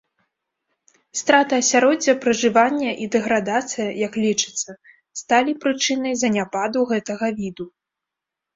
Страта асяроддзя пражывання і дэградацыя, як лічыцца, сталі прычынай заняпаду гэтага віду.